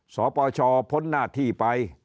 สปชพ้นหน้าที่ไป